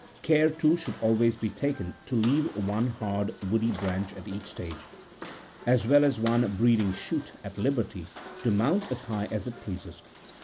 Care, too, should always be taken to leave one hard, woody branch at each stage, as well as one breeding shoot, at liberty to mount as high as it pleases.